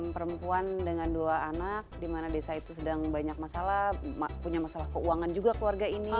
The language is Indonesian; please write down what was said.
perempuan dengan dua anak di mana desa itu sedang banyak masalah punya masalah keuangan juga keluarga ini